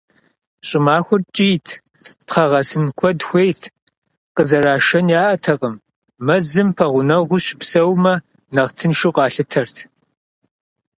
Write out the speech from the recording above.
Щӏымахуэр ткӏийт, пхъэ гъэсын куэд хуейт, къызэрашэн яӏэтэкъыми, мэзым пэгъунэгъуу щыпсэумэ нэхъ тыншу къалъытэрт.